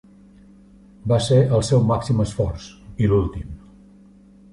Va ser el seu màxim esforç, i l'últim.